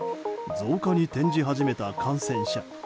増加に転じ始めた感染者。